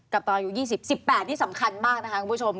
กับต่ออายุ๒๐๑๘ที่สำคัญมากคุณผู้ชม